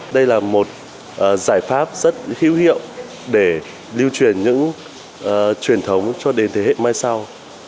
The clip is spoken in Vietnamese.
đây là một giải pháp rất hữu hiệu để lưu truyền những truyền thống cho đến thế hệ mai sau